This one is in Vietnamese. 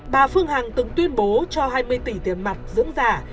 bà phương hằng từng tuyên bố cho hai mươi tỷ tiền mặt dưỡng giả